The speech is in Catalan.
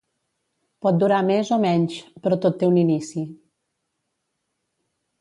Pot durar més o menys, però tot té un inici.